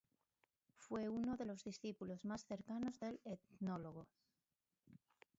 Fue uno de los discípulos más cercanos del etnólogo.